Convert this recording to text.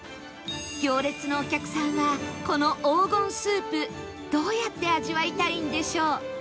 行列のお客さんはこの黄金スープどうやって味わいたいんでしょう？